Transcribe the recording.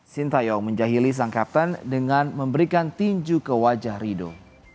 sintayong menjahili sang kapten dengan memberikan tinju ke wajah rido